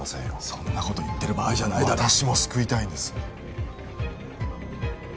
そんなこと言ってる場合じゃない私も救いたいんです